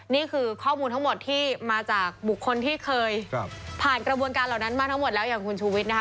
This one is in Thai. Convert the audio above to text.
นี่คือข้อมูลทั้งหมดที่มาจากบุคคลที่เคยผ่านกระบวนการเหล่านั้นมาทั้งหมดแล้วอย่างคุณชูวิทย์นะคะ